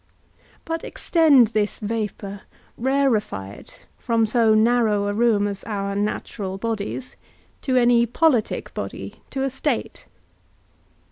But extend this vapour, rarefy it; from so narrow a room as our natural bodies, to any politic body, to a state.